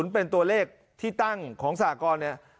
เป็นตัวเลขที่ตั้งของสหกรเนี่ย